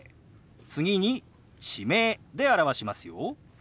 次に地名で表しますよ。